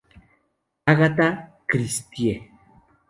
Agatha Christie.